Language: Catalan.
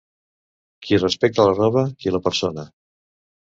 Qui respecta la roba, qui la persona.